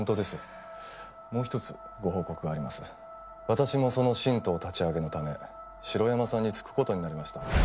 私もその新党立ち上げのため城山さんにつく事になりました。